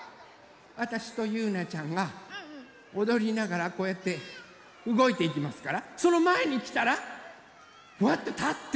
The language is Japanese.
あたしとゆうなちゃんがおどりながらこうやってうごいていきますからそのまえにきたらふわっとたって。